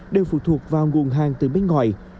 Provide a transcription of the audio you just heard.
đều phụ thuộc vào nguồn hàng từ bên ngoài